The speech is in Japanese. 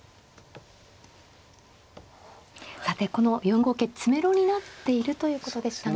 さてこの４五桂詰めろになっているということでしたが。